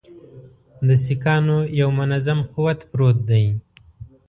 د سیکهانو یو منظم قوت پروت دی.